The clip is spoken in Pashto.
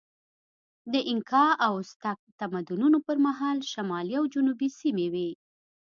د اینکا او ازتک تمدنونو پر مهال شمالي او جنوبي سیمې وې.